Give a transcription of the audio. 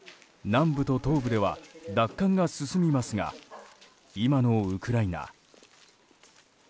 南部と東部では奪還が進みますが今のウクライナ。